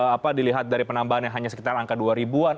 apa dilihat dari penambahannya hanya sekitar angka dua ribu an